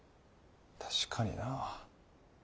確かになぁ。